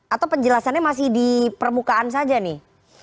atau penjelasannya masih di permukaan saja nih